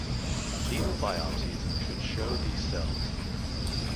Needle biopsies should show these cells.